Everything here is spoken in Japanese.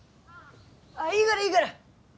ああいいがらいいがら。